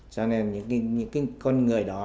cho nên những con người đó